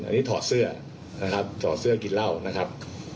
อันนี้ถอดเสื้อนะครับถอดเสื้อกินเหล้านะครับ